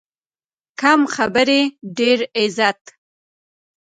کم خبرې، ډېر عزت.